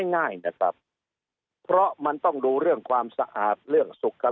ง่ายนะครับเพราะมันต้องดูเรื่องความสะอาดเรื่องสุขภาพ